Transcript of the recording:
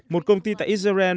một công ty tại israel